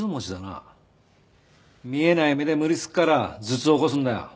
見えない目で無理すっから頭痛を起こすんだよ。